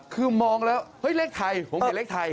คือมองแล้วเฮ้ยเลขไทยผมเห็นเลขไทย